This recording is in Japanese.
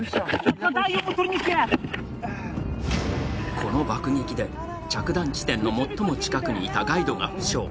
この爆撃で着弾地点の最も近くにいたガイドが負傷。